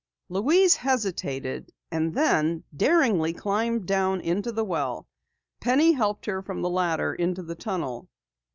Louise hesitated, and then daringly climbed down into the well. Penny helped her from the ladder into the tunnel.